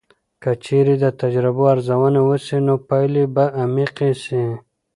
که چیرې د تجربو ارزونه وسي، نو پایلې به عمیقې سي.